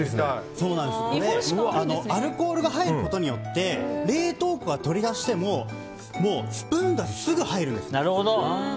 アルコールが入ることによって冷凍庫から取り出してもスプーンがすぐ入るんです。